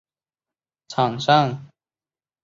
在场上的位置是边锋或前锋。